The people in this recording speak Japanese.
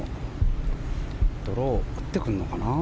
ドローを打ってくるのかな。